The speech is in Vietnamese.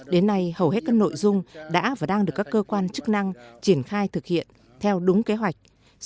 đến nay hầu hết các nội dung đã và đang được các cơ quan chức năng triển khai thực hiện theo đúng kế hoạch